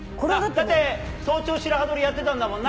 だって早朝白刃取りやってたんだもんな？